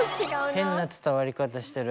変な伝わり方してる。